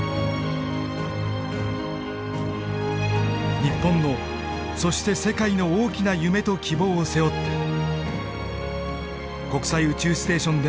日本のそして世界の大きな夢と希望を背負って国際宇宙ステーションでの新たな任務が始まる。